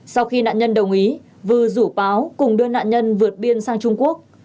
sau khi nạn nhân đồng ý vư rủ báo cùng đưa nạn nhân vượt biên sang trung quốc